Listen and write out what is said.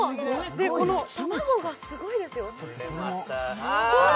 この卵がすごいですよ。